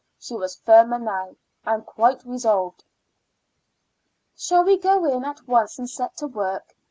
She was firmer now, and quite resolved. "Shall we go in at once and set to work?"